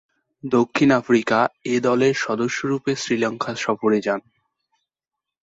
দক্ষিণ Africa A দলের সদস্যরূপে শ্রীলঙ্কা সফরে যান।